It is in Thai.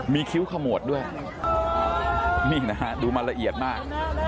มีคิ้วขมวดด้วยนี่นะฮะดูมาละเอียดมาก